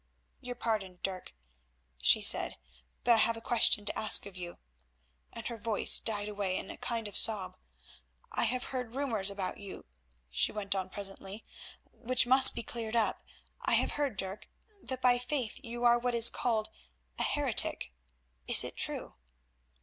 "Your pardon, Dirk," she said, "but I have a question to ask of you," and her voice died away in a kind of sob. "I have heard rumours about you," she went on presently, "which must be cleared up. I have heard, Dirk, that by faith you are what is called a heretic. Is it true?"